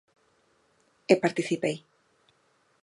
E participei.